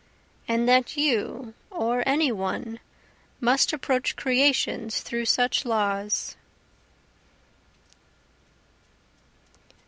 And that you or any one must approach creations through such laws?